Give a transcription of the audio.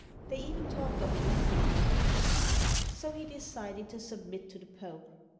They even talked of electing another king. So he decided to submit II ITALY to the Pope.